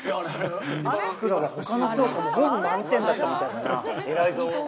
他の教科もほぼ満点だったみたいだな、偉いぞ。